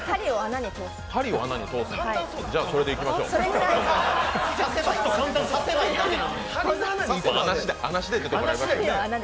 じゃあそれでいきましょう。